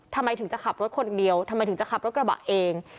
ทำไมถึงจะขับรถคนเดียวทำไมถึงจะขับรถกระบะเอง